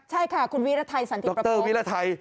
ใช่ค่ะคุณวิรไทยสันติประโปร์